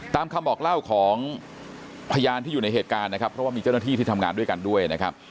ตามคำบอกเล่าของพยานที่อยู่ในเหตุการณ์นะครับเพราะว่ามีเจ้าหน้าที่ที่ทำงานด้วยกันด้วยนะครับ